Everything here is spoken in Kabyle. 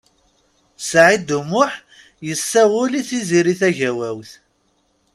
Saɛid U Muḥ yessawel i Tiziri Tagawawt.